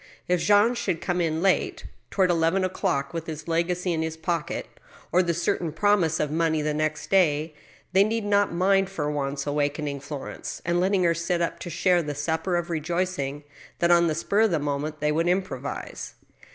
If Jean should come in late, toward eleven > o'clock, with his legacy in his pocket, or the certain promise of money the next day, they need not mind for once awakening Florence, and letting her sit up to share the supper of rejoicing that on the spur of the moment they would improvise.